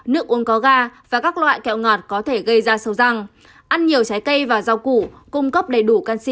nước uống có ga và các loại kẹo ngọt có thể gây ra sâu răng ăn nhiều trái cây và rau củ cung cấp đầy đủ canxi